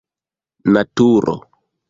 naturo